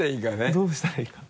どうしたらいいか